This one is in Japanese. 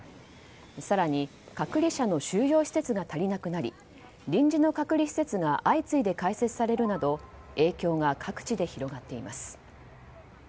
更に隔離者の収容施設が足りなくなり臨時の隔離施設が相次いで開設されるなど影響が各地で広がっています。